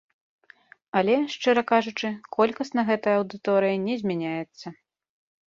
Але, шчыра кажучы, колькасна гэта аўдыторыя не змяняецца.